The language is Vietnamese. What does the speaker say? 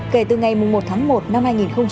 kể từ ngày một tháng một năm hai nghìn hai mươi